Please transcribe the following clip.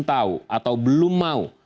tahu atau belum mau